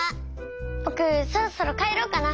ぼくそろそろかえろうかな！